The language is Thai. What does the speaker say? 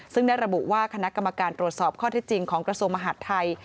ซึ่งได้ระบุว่าคณะกรรมการตรวจสอบข้อที่จริงของกระทรวงมหาดไทย